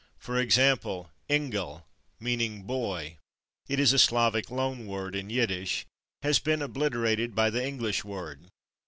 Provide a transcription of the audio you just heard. For example, /ingel/, meaning /boy/ (it is a Slavic loan word in Yiddish), has been obliterated by the English word.